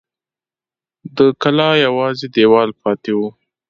د کلا یوازې دېوال پاته و.